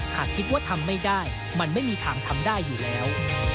หากคิดว่าทำไม่ได้มันไม่มีทางทำได้อยู่แล้ว